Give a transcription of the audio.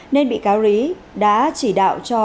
nên bị cáo rí đã chỉ đạo cho